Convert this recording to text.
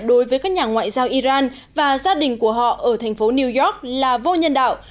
đối với các nhà ngoại giao iran và gia đình của họ ở thành phố new york là vô nhân đạo